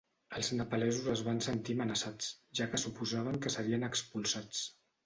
Els nepalesos es van sentir amenaçats, ja que suposaven que serien expulsats.